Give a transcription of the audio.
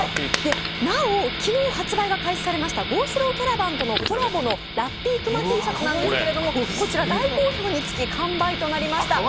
なお、昨日発売が開始されましたｇｏｓｌｏｗｃａｒａｖａｎとのコラボのラッピークマＴシャツなんですけど、大好評につき完売となりました。